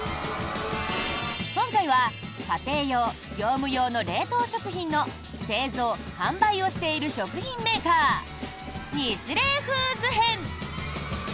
今回は、家庭用・業務用の冷凍食品の製造・販売をしている食品メーカーニチレイフーズ編！